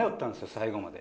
最後まで。